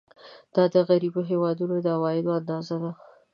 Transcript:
دا د غریبو هېوادونو د عوایدو اندازه ده.